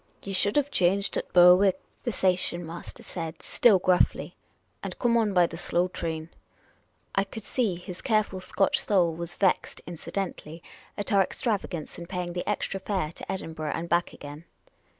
" Ye should have changed at Berwick," the station master The Oriental Attendant 309 said, still gruffly, " and come on by the slow train." I could see his careful Scotch soul was vexed (incidentally) at our extravagance in paying the extra fare to Edinburgh and back again.